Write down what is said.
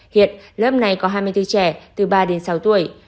hiện lớp này có hai mươi bốn trẻ từ ba đến sáu tuổi